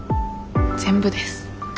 全部です。